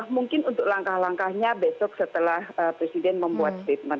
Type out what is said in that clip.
mungkin untuk langkah langkahnya besok setelah presiden membuat statement